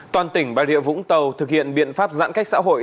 toàn tỉnh bà rịa vũng tàu thực hiện biện pháp giãn cách xã hội